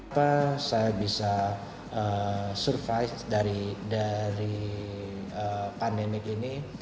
apa yang saya bisa surpise dari pandemi ini